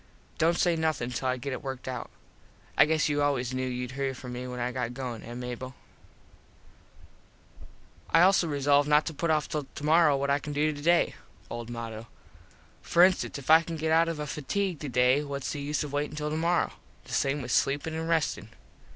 Dont say nothin till I get it worked out. I guess you always knew youd here from me when I got goin, eh Mable? [Illustration: "A CROQUETTE IS A FRENCH SOCIETY WOMAN"] I also resolved not to put off till tomorrow what I can do today. (Old motto.) For instance if I can get out of a fatigue today whats the use of waitin till tomorrow. The same with sleepin and restin.